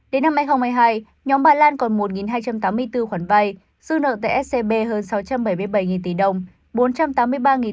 đến năm hai nghìn hai mươi hai nhóm bà lan còn một hai trăm tám mươi bốn khoản vay dư nợ tại scb hơn sáu trăm bảy mươi bảy tỷ đồng